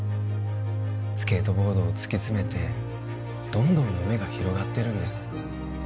スケートボードを突き詰めてどんどん夢が広がってるんです